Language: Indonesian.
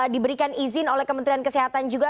diberikan izin oleh kementerian kesehatan juga